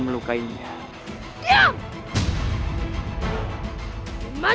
aku tak akan pakai